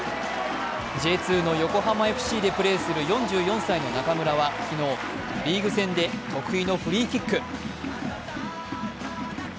Ｊ２の横浜ＦＣでプレーする４４歳の中村は昨日、リーグ戦で得意のフリーキック。